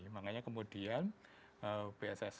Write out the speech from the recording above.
makanya kemudian bssn pemerintah